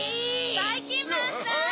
ばいきんまんさん！